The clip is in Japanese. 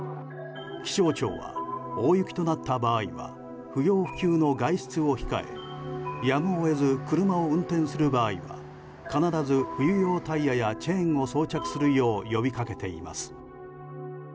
気象庁は大雪となった場合は不要不急の外出を控えやむを得ず、車を運転する場合は必ず冬用タイヤやチェーンを装着するよう呼びかけています。